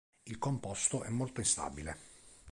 Il composto è molto instabile.